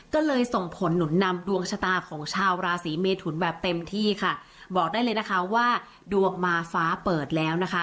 ก็เลยส่งผลหนุนนำดวงชะตาของชาวราศีเมทุนแบบเต็มที่ค่ะบอกได้เลยนะคะว่าดวงมาฟ้าเปิดแล้วนะคะ